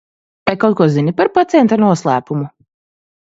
Vai kaut ko zini par pacienta noslēpumu?